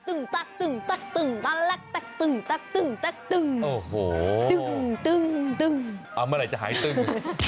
ตึ้งเอาเมื่อไหร่จะหายตึ้ง